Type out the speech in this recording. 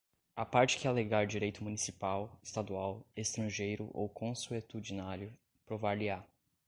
A parte que alegar direito municipal, estadual, estrangeiro ou consuetudinário provar-lhe-á